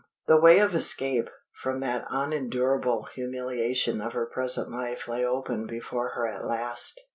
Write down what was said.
The way of escape from the unendurable humiliation of her present life lay open before her at last.